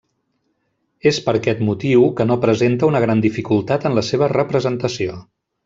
És per aquest motiu que no presenta una gran dificultat en la seva representació.